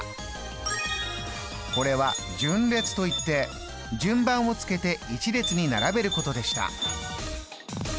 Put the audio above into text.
これは「順列」といって順番をつけて一列に並べることでした。